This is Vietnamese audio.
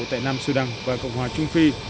tại nam sudan và cộng hòa trung phi